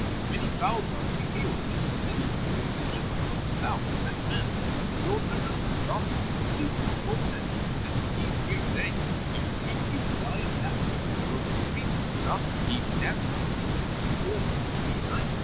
Many fowls are to be killed. Then, Sidi, there is a Negro from the South, a black man with a droll turban and a drum. It is most fortunate that he is here to day. He will make you die of laughing, for when he beats his drum he dances and sings all at the same time.